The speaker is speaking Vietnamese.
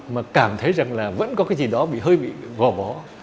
mà cảm thấy rằng là vẫn có cái gì đó hơi bị gò bó